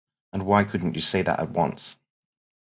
And why couldn’t you say that at once?